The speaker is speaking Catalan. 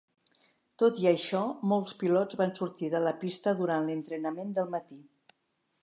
Tot i això, molts pilots van sortir de la pista durant l'entrenament del matí.